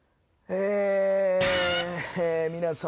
え皆さん